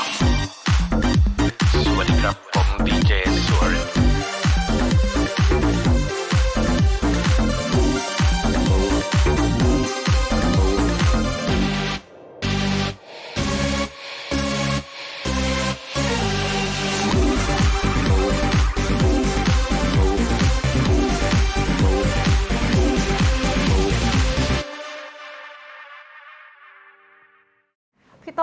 สวัสดีครับผมดีเจสั่วริน